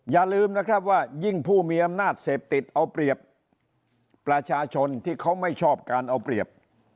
อย่าลืมนะครับว่ายิ่งผู้มีอำนาจเสพติดเอาเปรียบประชาชนที่เขาไม่ชอบการเอาเปรียบ